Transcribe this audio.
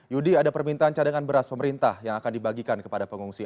yudi ada permintaan cadangan beras pemerintah yang akan dibagikan kepada pengungsi